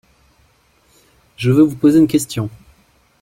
Je veux vous poser une question.